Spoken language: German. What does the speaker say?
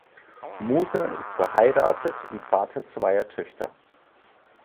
Moser ist verheiratet und Vater zweier Töchter.